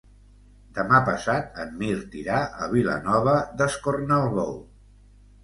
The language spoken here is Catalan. Demà passat en Mirt irà a Vilanova d'Escornalbou.